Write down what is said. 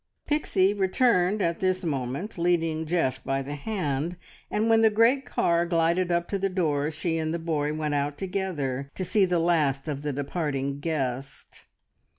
Pixie returned at this moment, leading Geoff by the hand, and when the great car glided up to the door, she and the boy went out together to see the last of the departing guest.